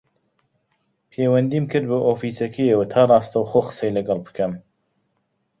پەیوەندیم کرد بە ئۆفیسەکەیەوە تا ڕاستەوخۆ قسەی لەگەڵ بکەم